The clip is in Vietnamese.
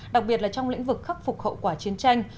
đặc biệt là trong lĩnh vực khắc phục hậu quả chiến tranh